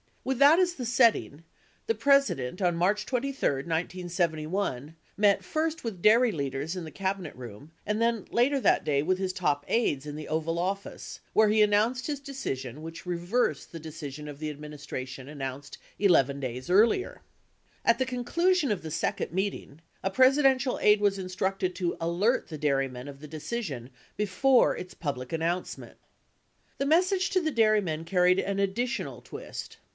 With that as the setting, the President on March 23, 1971, met first with dairy leaders in the Cabinet Room and then later that day with his top aides in the Oval Office where he announced his decision which reversed the decision of the administration announced 11 days earlier. At the conclusion of the second meeting, a Presidential aide was instructed to "alert" the dairymen of the decision before its pub lic announcement. The message to the dairymen carried an additional twist.